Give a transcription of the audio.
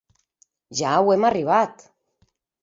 Ja auem arribat.